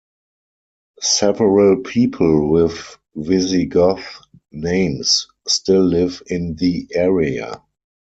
Several people with Visigoth names still live in the area.